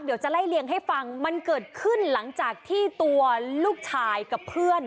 เดี๋ยวจะไล่เลี่ยงให้ฟังมันเกิดขึ้นหลังจากที่ตัวลูกชายกับเพื่อน